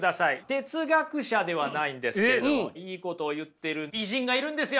哲学者ではないんですけれどもいいことを言っている偉人がいるんですよ。